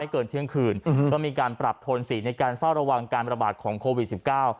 เกินเที่ยงคืนอืมก็มีการปรับโทนสีในการเฝ้าระวังการประบาดของโควิดสิบเก้า